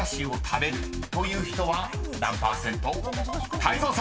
［泰造さん］